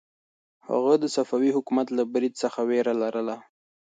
هغه د صفوي حکومت له برید څخه وېره لرله.